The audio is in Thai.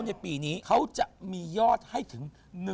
ในปีนี้เขาจะมียอดให้ถึง